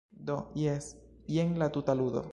Do, jes, jen la tuta ludo.